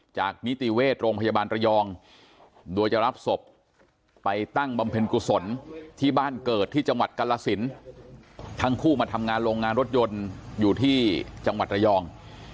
นิติเวชโรงพยาบาลระยองโดยจะรับศพไปตั้งบำเพ็ญกุศลที่บ้านเกิดที่จังหวัดกรสินทั้งคู่มาทำงานโรงงานรถยนต์อยู่ที่จังหวัดระยอง